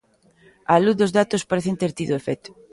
Á luz dos datos, parecen ter tido efecto.